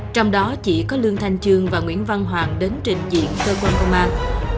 trong đó chỉ có lương thanh trương và nguyễn văn hoàng đến trình diện cơ quan công an